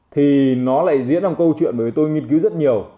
thì nó lại diễn ra câu chuyện bởi vì tôi nghiên cứu rất nhiều